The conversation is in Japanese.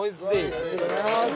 ありがとうございます。